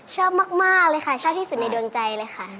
ชอบมากเลยค่ะชอบที่สุดในดวงใจเลยค่ะ